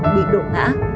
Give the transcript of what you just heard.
bị đổ ngã